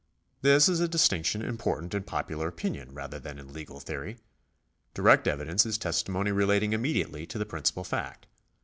This is a dis tinction important in popular opinion rather than in legal theory. Direct evidence is testimony relating immediately to the principal fact.